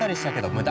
無駄